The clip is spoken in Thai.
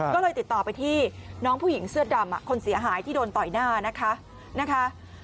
ก็เลยติดต่อไปที่น้องผู้หญิงเสื้อดำคนเสียหายที่โดนต่อยหน้านะคะ